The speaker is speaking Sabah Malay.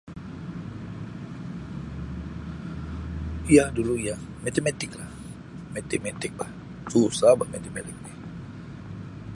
Ya dulu ya, matematik lah. Matikmatik bah, susah bah matematik ni.